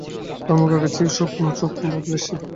তার মুখ আগের চেয়েও শুকনো, চোখ ভাবলেশহীন।